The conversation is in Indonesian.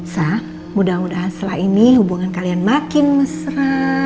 sah mudah mudahan setelah ini hubungan kalian makin mesra